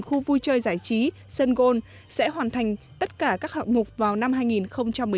khu vui chơi giải trí sân gôn sẽ hoàn thành tất cả các hạng mục vào năm hai nghìn một mươi chín